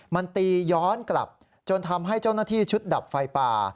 มันตีย้อนกลับจนทำให้เจ้าหน้าที่ชุดดับไฟป่า